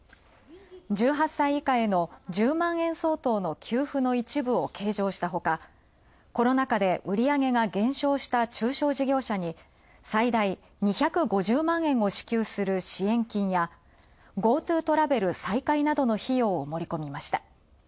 １８歳以下への１０万円相当の給付の一部を計上したほか、コロナ禍で売り上げが減少した中小事業者に最大２５０万円を支給する支援金やＧｏＴｏトラベル再開などの費用を盛り込みました。